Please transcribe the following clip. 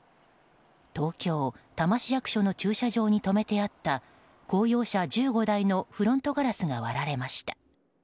東京・多摩市役所の駐車場に止めてあってた公用車１５台のフロントガラスが割られました。